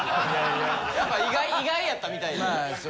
やっぱ意外やったみたいで。